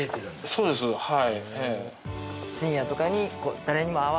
そうですはいあ！